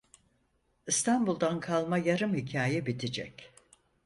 İstanbul’dan kalma yarım hikâye bitecek.